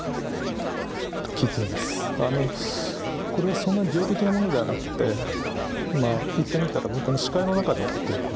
これはそんな病的なものではなくってまあいってみたら僕の視界の中で起こってること。